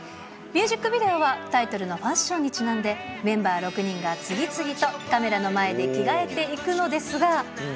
ミュージックビデオは、タイトルのＦＡＳＨＩＯＮにちなんで、メンバー６人が次々とカメラの前で着替えていくのですが。